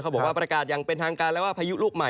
เขาบอกว่าประกาศยังเป็นทางการแล้วว่า